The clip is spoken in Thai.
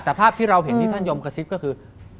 แต่ภาพที่เราเห็นที่ท่านยมกระซิบก็คือ